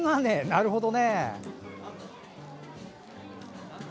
なるほどね。